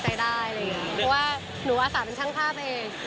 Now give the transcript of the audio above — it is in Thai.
เพราะว่าหนูอาสาเป็นช่างภาพเอง